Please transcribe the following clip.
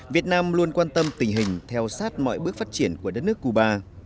việt nam luôn quan tâm tình hình theo sát mọi bước phát triển của đất nước cuba